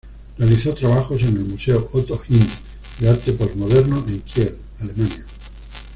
Realizó trabajos en el museo Otto Hind de arte posmoderno en Kiel, Alemania.